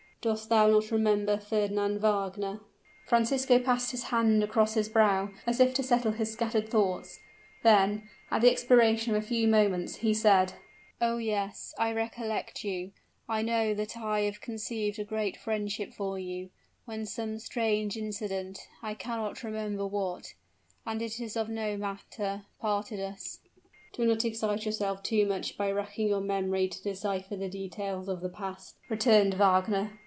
"Dost thou not remember Fernand Wagner?" Francisco passed his hand across his brow, as if to settle his scattered thoughts: then, at the expiration of a few moments, he said: "Oh! yes I recollect you I know that I had conceived a great friendship for you, when some strange incident I cannot remember what, and it is of no matter parted us!" "Do not excite yourself too much by racking your memory to decipher the details of the past," returned Wagner.